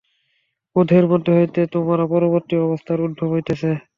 ক্রোধের মধ্য হইতে তোমার পরবর্তী অবস্থার উদ্ভব হইতেছে।